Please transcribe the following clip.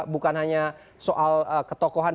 bukan hanya soal ketokohan